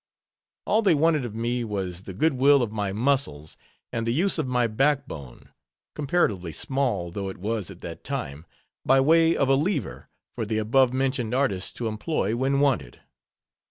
All they wanted of me was the good will of my muscles, and the use of my backbone—comparatively small though it was at that time—by way of a lever, for the above mentioned artists to employ when wanted.